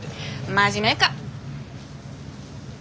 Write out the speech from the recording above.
真面目か！